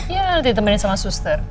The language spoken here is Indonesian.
iya nanti temenin sama suster